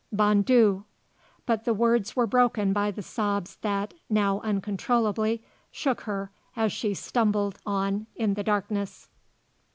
Bon Dieu!_" But the words were broken by the sobs that, now uncontrollably, shook her as she stumbled on in the darkness.